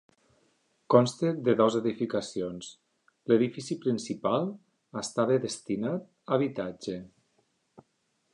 Consta de dues edificacions, l'edifici principal estava destinat a habitatge.